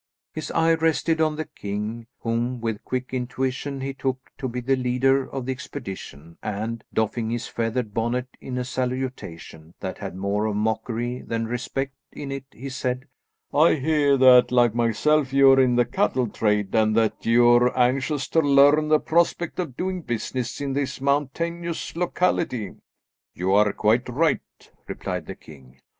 His eye rested on the king, whom, with quick intuition, he took to be the leader of the expedition and, doffing his feathered bonnet in a salutation that had more of mockery than respect in it, he said: "I hear that, like myself, you're in the cattle trade, and that you're anxious to learn the prospect of doing business in this mountainous locality." "You are quite right," replied the king.